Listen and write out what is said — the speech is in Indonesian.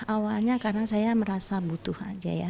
awalnya karena saya merasa butuh aja ya